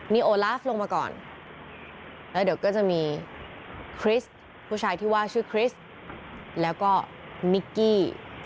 นี่โอลาฟลงมาก่อนแล้วเดี๋ยวก็จะมีคริสต์ผู้ชายที่ว่าชื่อคริสต์แล้วก็นิกกี้